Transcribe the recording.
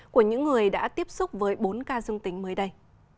của những người đã tiếp xúc với bốn ca dương tính mới đây